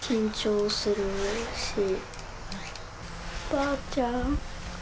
ばあちゃん。